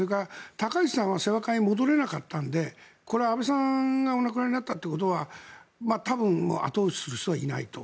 高市さんは清和会に戻れなかったのでこれは安倍さんがお亡くなりになったということは多分、後押しする人はいないと。